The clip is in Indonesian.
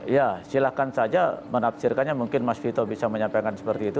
ya silahkan saja menafsirkannya mungkin mas vito bisa menyampaikan seperti itu